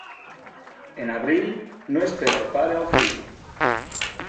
En abril, no espera el pare al fill.